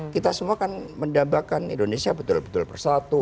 kita semua kan mendambakan indonesia betul betul bersatu